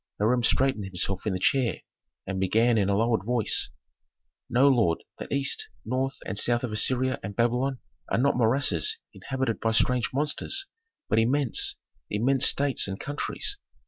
Hiram straightened himself in the chair, and began in a lowered voice, "Know, lord, that east, north, and south of Assyria and Babylon are not morasses inhabited by strange monsters, but immense immense states and countries.